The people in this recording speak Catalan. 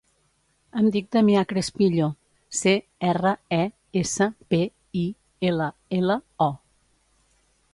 Em dic Damià Crespillo: ce, erra, e, essa, pe, i, ela, ela, o.